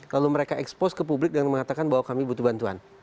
lalu mereka expose ke publik dengan mengatakan bahwa kami butuh bantuan